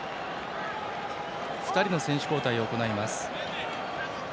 ２人の選手交代を行います。